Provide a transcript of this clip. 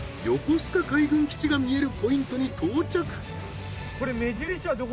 横須賀海軍基地が見えるポイントに到着。